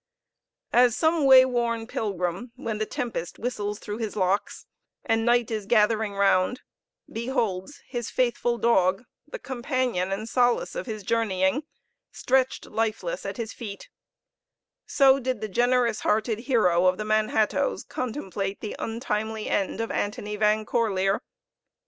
As some way worn pilgrim, when the tempest whistles through his locks, and night is gathering round, beholds his faithful dog, the companion and solace of his journeying, stretched lifeless at his feet, so did the generous hearted hero of the Manhattoes contemplate the untimely end of Antony Van Corlear.